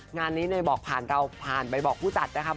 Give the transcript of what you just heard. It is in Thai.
งานนี้เนยบอกผ่านเราผ่านไปบอกผู้จัดนะคะ